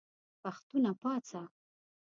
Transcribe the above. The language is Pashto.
پښتونه پاڅه !